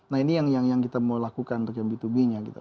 nah ini yang kita mau lakukan untuk yang b dua b nya gitu